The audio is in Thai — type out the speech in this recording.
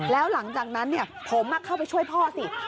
แล้วหลังจากนั้นผมเข้าไปช่วยพ่อสิ